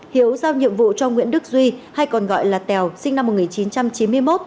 hiếu giao nhiệm vụ cho nguyễn đức duy hay còn gọi là tèo sinh năm một nghìn chín trăm chín mươi một